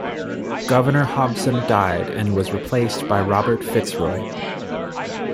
Governor Hobson died and was replaced by Robert FitzRoy.